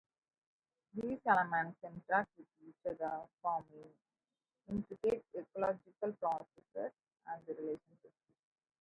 These elements interact with each other, forming intricate ecological processes and relationships.